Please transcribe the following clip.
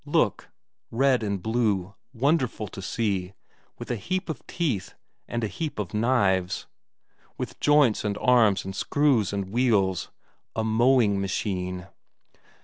Look! red and blue, wonderful to see, with a heap of teeth and a heap of knives, with joints and arms and screws and wheels a mowing machine.